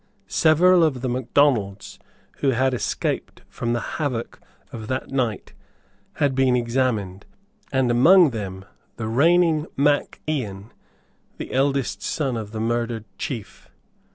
Several of the Macdonalds who had escaped from the havoc of that night had been examined, and among them the reigning Mac Ian, the eldest son of the murdered Chief.